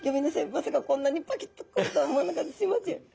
まさかこんなにパキッとくるとは思わなかったすいません。